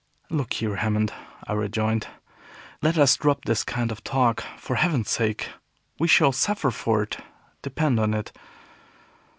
"Look here, Hammond," I rejoined, "let us drop this kind of talk, for Heaven's sake! We shall suffer for it, depend on it."